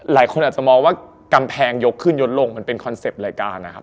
หลายคนอาจจะมองว่ากำแพงยกขึ้นยกลงมันเป็นคอนเซ็ปต์รายการนะครับ